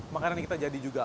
makanya ini kita jadi juga